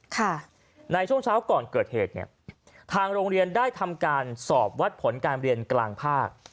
ค่ะในช่วงเช้าก่อนเกิดเหตุเนี่ยทางโรงเรียนได้ทำการสอบวัดผลการเรียนกลางภาค